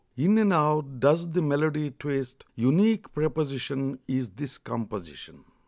In and out does the melody twist Unique proposition Is this composition.